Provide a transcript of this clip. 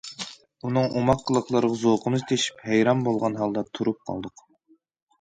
ئۇنىڭ ئوماق قىلىقلىرىغا زوقىمىز تېشىپ، ھەيران بولغان ھالدا تۇرۇپ قالدۇق.